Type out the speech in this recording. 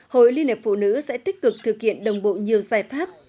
hội liên hiệp phụ nữ sẽ tích cực thực hiện đồng bộ nhiều giải pháp